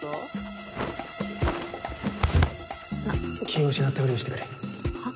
気を失ったフリをしてくれ。は？